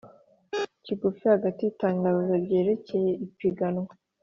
Kigufi hagati y itangazo ryerekeye ipiganwa